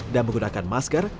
dan menggunakan masker